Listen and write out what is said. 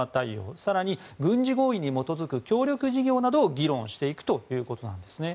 更に、軍事合意に基づく協力事業などを議論していくということなんですね。